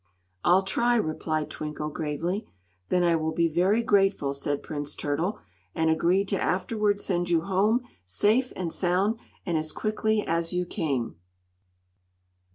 "I'll try," replied Twinkle, gravely. "Then I will be very grateful," said Prince Turtle, "and agree to afterward send you home safe and sound, and as quickly as you came."